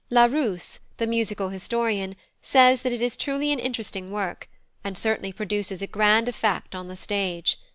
Larousse, the musical historian, says that it is a truly interesting work, and certainly produces a grand effect on the stage.